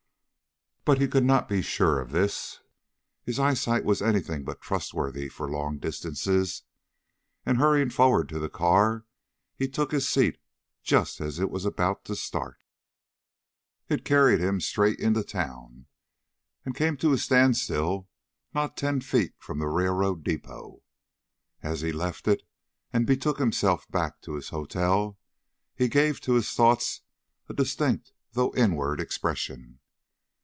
But he could not be sure of this; his eyesight was any thing but trustworthy for long distances, and hurrying forward to the car, he took his seat just as it was about to start. It carried him straight into town, and came to a standstill not ten feet from the railroad depot. As he left it and betook himself back to his hotel, he gave to his thoughts a distinct though inward expression.